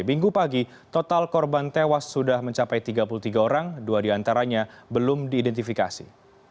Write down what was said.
minggu pagi total korban tewas sudah mencapai tiga puluh tiga orang dua diantaranya belum diidentifikasi